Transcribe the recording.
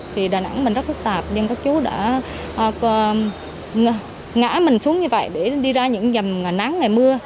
thì đà nẵng mình rất phức tạp nhưng các chú đã ngã mình xuống như vậy để đi ra những dầm nắng ngày mưa